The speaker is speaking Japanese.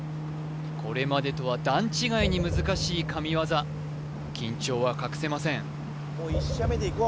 これまでとは段違いに難しい神業緊張は隠せません